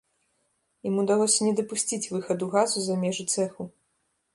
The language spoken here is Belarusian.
Ім удалося не дапусціць выхаду газу за межы цэху.